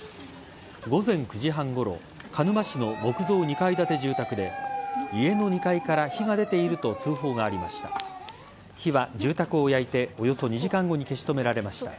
午前９時半ごろ鹿沼市の木造２階建て住宅で家の２階から火が出ていると通報がありました。